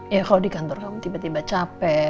ya kalau di kantor kamu tiba tiba capek